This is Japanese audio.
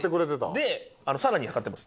でさらにはかってます。